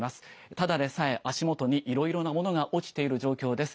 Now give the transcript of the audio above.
ただでさえ足元にいろいろなものが落ちている状況です。